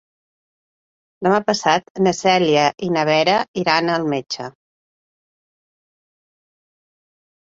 Demà passat na Cèlia i na Vera iran al metge.